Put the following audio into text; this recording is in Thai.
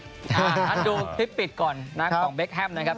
ท่านดูคลิปปิดก่อนนะของเบคแฮมนะครับ